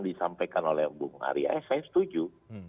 disampaikan oleh bung arya saya setuju